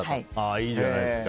いいじゃないですか。